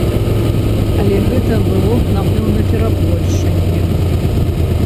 Але гэта было б, напэўна, перабольшаннем.